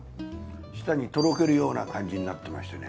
舌にとろけるような感じになってましてね